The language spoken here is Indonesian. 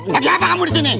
lagi apa kamu disini